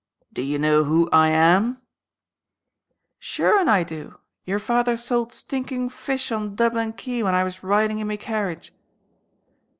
"Do you know who I am?" "Sure an' I do. Yer father sowld stinkin' fish on Dublin quay when I was ridin' in me carriage."